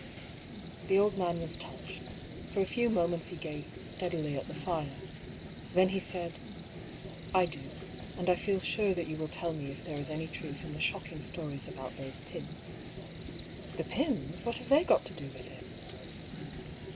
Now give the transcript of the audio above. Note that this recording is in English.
The old man was touched. For a few moments he gazed steadily at the fire. Then he said : "I do; and 1 feel sure that you will tell me if there is any truth in the shocking stories about those Pyms." " The Pyms ! What have they got to do with it